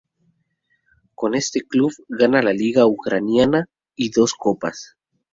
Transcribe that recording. Con este club gana la liga ucraniana y dos copas.